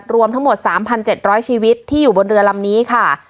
รวมทั้งหมด๓๗๐๐ชีวิตที่อยู่บนเรือลำนี้ค่ะ